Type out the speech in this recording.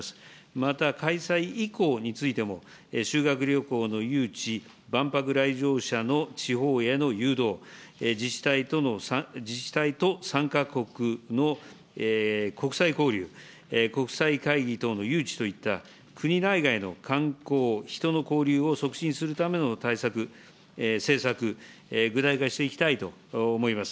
また、開催以降についても、修学旅行の誘致、万博来場者の地方への誘導、自治体と参加国の国際交流、国際会議等の誘致といった国内外の観光、人の交流を促進するための対策、政策、具体化していきたいと思います。